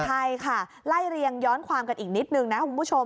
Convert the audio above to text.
ใช่ค่ะไล่เรียงย้อนความกันอีกนิดนึงนะคุณผู้ชม